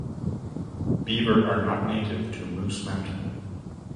Beaver are not native to Moose Mountain.